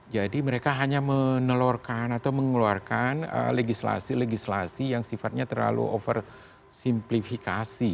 jadi mereka hanya menelorkan atau mengeluarkan legislasi legislasi yang sifatnya terlalu oversimplifikasi